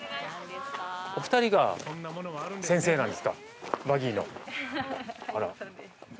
お二人が先生なんですか、バギーの。